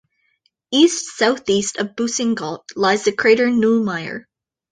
East-southeast of Boussingault lies the crater Neumayer.